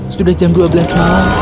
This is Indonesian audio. sudah jam dua belas malam